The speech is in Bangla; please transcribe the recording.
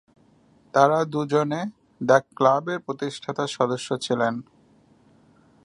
তারা দুজনে "দ্য ক্লাব"-এর প্রতিষ্ঠাতা সদস্য ছিলেন।